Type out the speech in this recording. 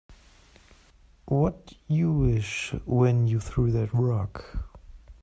What'd you wish when you threw that rock?